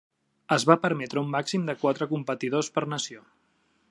Es va permetre un màxim de quatre competidors per nació.